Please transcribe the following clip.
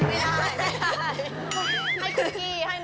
ไม่ได้